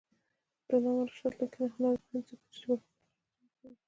د علامه رشاد لیکنی هنر مهم دی ځکه چې ژبپوهنه غني کوي.